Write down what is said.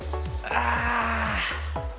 ああ！